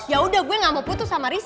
ya udah gue gak mau putus sama rizk